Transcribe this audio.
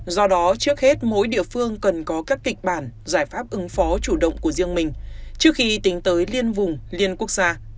do đó trước hết mỗi địa phương cần có các kịch bản giải pháp ứng phó chủ động của riêng mình trước khi tính tới liên vùng liên quốc gia